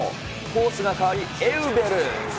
コースが変わりエウベル。